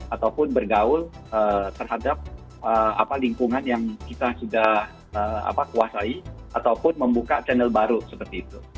ataupun bergaul terhadap lingkungan yang kita sudah kuasai ataupun membuka channel baru seperti itu